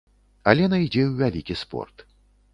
Алена ідзе ў вялікі спорт.